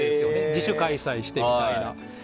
自主開催してみたいな。